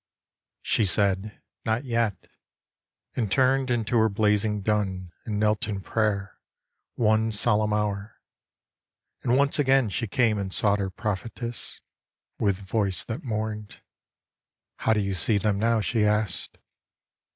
She said, " Not yet," and turned Into her blazing dun, and knelt in prayer One solemn hour, and once again she came And sought her prophetess. With voice that mourned, How do you see them now ?" she asked.